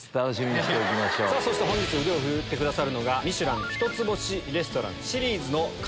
そして本日腕を振るってくださるのがミシュラン１つ星レストラン。